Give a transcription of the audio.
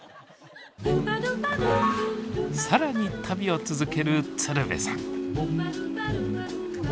更に旅を続ける鶴瓶さん